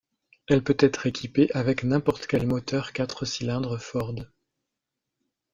Elle peut être équipée avec n'importe quel moteur quatre cylindres Ford.